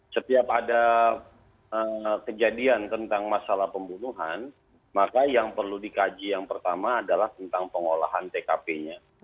setiap ada kejadian tentang masalah pembunuhan maka yang perlu dikaji yang pertama adalah tentang pengolahan tkp nya